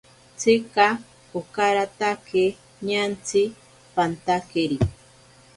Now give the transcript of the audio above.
Tsika okaratake ñantsi pantakeri.